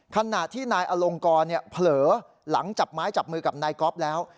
ขณะที่นายอลงกรเผลอหลังจับไม้จับมือกับนายก๊อฟแล้ว